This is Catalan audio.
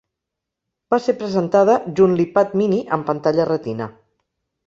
Va ser presentada junt l'iPad Mini amb pantalla Retina.